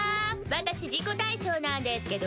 私自己対象なんですけど。